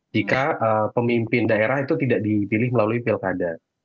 jika pemimpin daerah itu tidak dipilih melalui pilkada